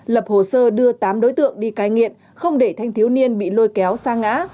lập hồ sơ đưa tám đối tượng đi cai nghiện không để thanh thiếu niên bị lôi kéo xa ngã